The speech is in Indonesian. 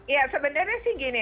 ya sebenarnya sih gini